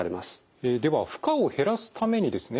では負荷を減らすためにですね